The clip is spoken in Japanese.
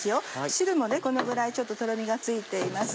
汁もこのぐらいちょっととろみがついています。